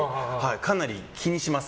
かなり気にします。